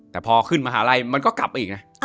แต่พอขึ้นมหาลัยมันก็กลับไปอีกนะ